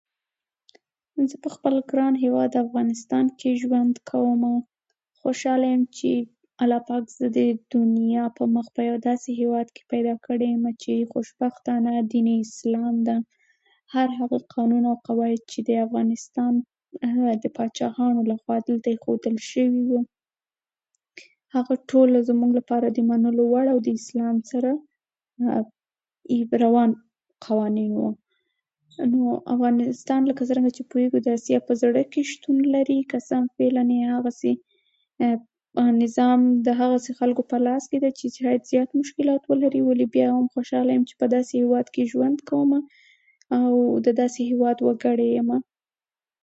د ولسمشر محمد اشرف غني د واکمنۍ پر مهال فساد ډير موجود و